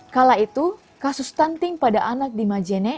kala itu kasus stunting pada anak di majene